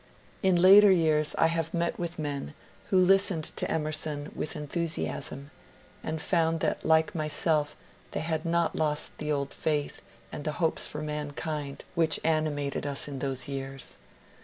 In later years I have met with men who listened to Emerson with enthusiasm, and found that like myself they had lost the old faith and the hopes for mankind which animated us in those years.